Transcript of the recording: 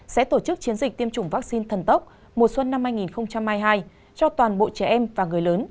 sẽ tổ chức chiến dịch tiêm chủng vaccine thần tốc mùa xuân năm hai nghìn hai mươi hai cho toàn bộ trẻ em và người lớn